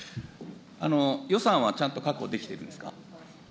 予算はちゃんと確保できてるんですか。